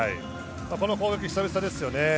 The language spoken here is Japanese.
この攻撃、久々ですよね。